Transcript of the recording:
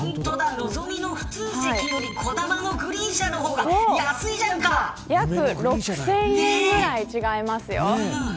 のぞみの指定席よりこだまのグリーン車の方が６０００円ぐらい違いますよ。